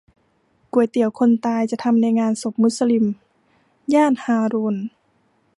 ก๋วยเตี๋ยวคนตาย จะทำในงานศพมุสลิม ย่านฮารูณ